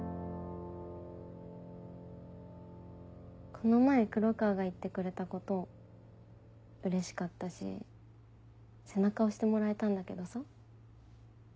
この前黒川が言ってくれたことうれしかったし背中押してもらえたんだけどさ